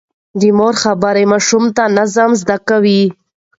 د مور خبرې ماشوم ته نظم زده کوي.